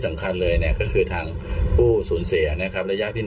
สำคัญเลยเนี่ยก็คือทางผู้ศูนย์เสียนะครับระยะพี่